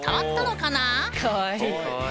かわいい。